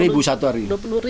lima puluh ribu satu hari